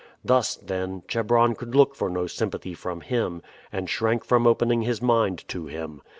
Thus, then, Chebron could look for no sympathy from him, and shrank from opening his mind to him.